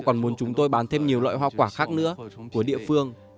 còn muốn chúng tôi bán thêm nhiều loại hoa quả khác nữa của địa phương